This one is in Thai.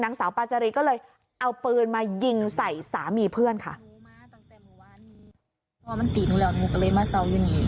นางสาวปาจารีก็เลยเอาปืนมายิงใส่สามีเพื่อนค่ะ